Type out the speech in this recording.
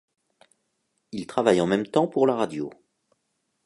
Il travaille en même temps pour la radio.